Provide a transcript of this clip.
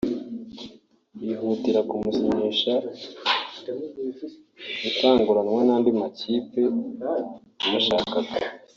yihutiye kumusinyisha itanguranwa n’andi makipe yamushakaga